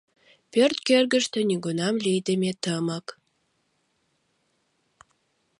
Пӧрт кӧргыштӧ нигунам лийдыме тымык.